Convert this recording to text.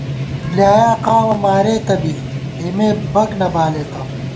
بۡلیایا ، قامہ مارېتہ بی ، اېمے بک نہ بالېتہ